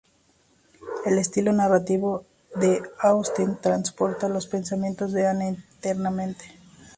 El estilo narrativo de Austen transporta los pensamientos de Anne internamente.